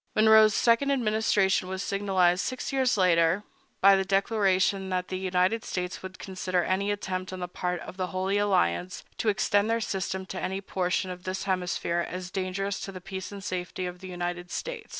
Monroe's second administration was signalized, six years later, by the declaration that the United States would consider any attempt on the part of the Holy Alliance to extend their system to any portion of this hemisphere as dangerous to the peace and safety of the United States.